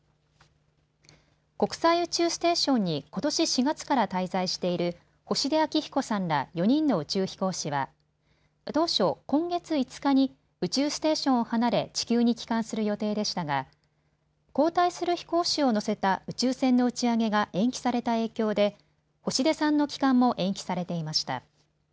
国際宇宙ステーションにことし４月から滞在している星出彰彦さんら４人の宇宙飛行士は当初、今月５日に宇宙ステーションを離れ地球に帰還する予定でしたが交代する飛行士を乗せた宇宙船の打ち上げが延期された影響で星出さんの帰還も延期されていました。